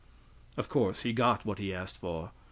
Of course he got what he asked for.